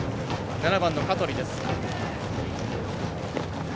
７番の香取です。